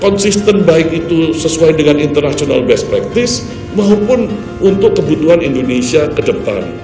konsisten baik itu sesuai dengan international best practice maupun untuk kebutuhan indonesia ke depan